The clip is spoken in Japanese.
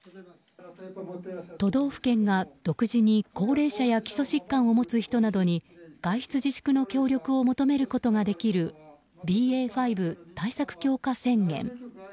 都道府県が独自に高齢者や基礎疾患を持つ人などに外出自粛の協力を求めることができるＢＡ．５対策強化宣言。